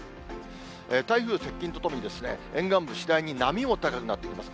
台風接近とともに、沿岸部、次第に波も高くなってきます。